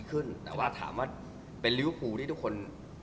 คาดหวังตัวยังมันก็ยัง